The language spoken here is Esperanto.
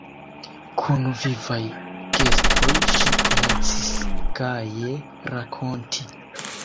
Kun vivaj gestoj ŝi komencis gaje rakonti: